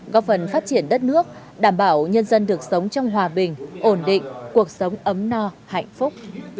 góp phần phát triển đất nước đảm bảo nhân dân được sống trong hòa bình ổn định cuộc sống ấm no hạnh phúc